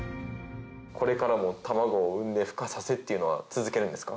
これからも卵を産んで孵化させっていうのは続けるんですか？